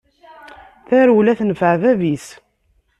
Tarewla tenfeε bab-is.